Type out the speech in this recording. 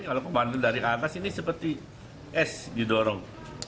kalau kemarin dari atas ini seperti s didorong